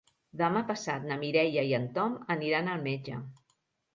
Demà passat na Mireia i en Tom aniran al metge.